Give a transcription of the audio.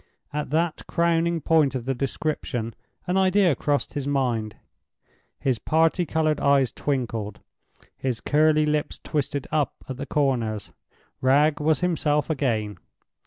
At that crowning point of the description, an idea crossed his mind; his party colored eyes twinkled; his curly lips twisted up at the corners; Wragge was himself again.